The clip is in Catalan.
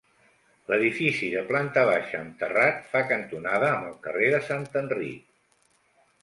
L'edifici de planta baixa amb terrat fa cantonada amb el carrer de Sant Enric.